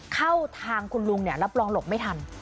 เข้าทางคุณลุงเนี่ยแล้วปลองหลบไม่ทัน